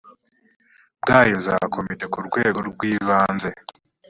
bwayo za sous komite ku rwego rw ibanze